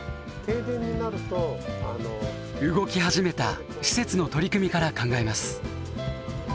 動き始めた施設の取り組みから考えます。